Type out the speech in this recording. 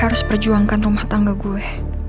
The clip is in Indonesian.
harus perjuangkan rumah tangga gue